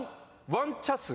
「ワンチャス」？